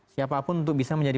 siapapun untuk bisa menjadi